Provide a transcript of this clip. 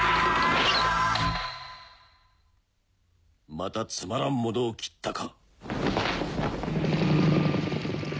またつまらんモノを斬ったか